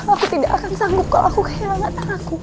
aku tidak akan sanggup kalau aku kehilangan anakku